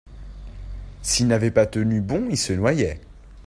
s'il n'avait pas tenu bon il se noyait.